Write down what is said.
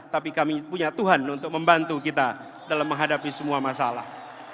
tapi kami punya tuhan untuk membantu kita dalam menghadapi semua masalah